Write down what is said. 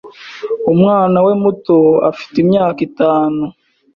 Umwana we muto afite imyaka itanu.